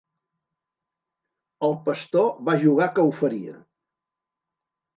El pastor va jugar que ho faria.